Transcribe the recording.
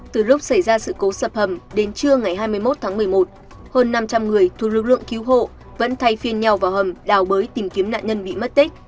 từ lúc xảy ra sự cố sập hầm đến trưa ngày hai mươi một tháng một mươi một hơn năm trăm linh người thuộc lực lượng cứu hộ vẫn thay phiên nhau vào hầm đào bới tìm kiếm nạn nhân bị mất tích